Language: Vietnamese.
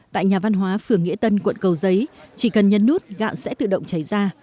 tại nhà văn hóa phường nghĩa tân quận cầu giấy chỉ cần nhấn nút gạo sẽ tự động cháy ra